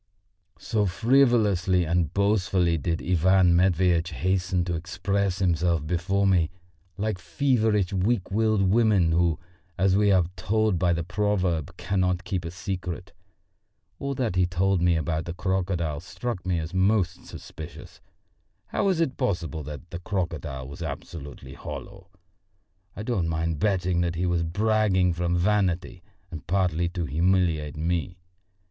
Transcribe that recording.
So frivolously and boastfully did Ivan Matveitch hasten to express himself before me, like feverish weak willed women who, as we are told by the proverb, cannot keep a secret. All that he told me about the crocodile struck me as most suspicious. How was it possible that the crocodile was absolutely hollow? I don't mind betting that he was bragging from vanity and partly to humiliate me.